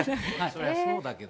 そりゃそうだけど。